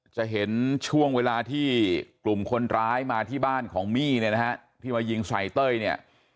จะเห็นช่วงเวลาที่กลุ่มคนร้ายมาที่บ้านของมี่เนี่ยนะฮะที่มายิงใส่เต้ยเนี่ย